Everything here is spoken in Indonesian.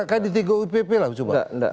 kan di tiga upp lah coba